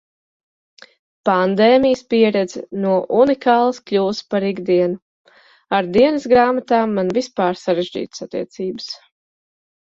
Pandēmijas pieredze no unikālas kļuvusi par ikdienu. Ar dienasgrāmatām man vispār sarežģītas attiecības.